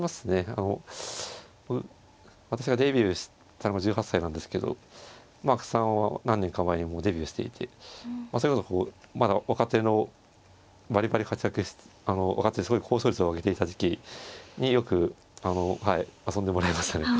あの私がデビューしたのが１８歳なんですけど阿久津さんは何年か前にもうデビューしていてそれこそまだ若手のバリバリ活躍あの若手ですごい高勝率を挙げていた時期によく遊んでもらいましたね。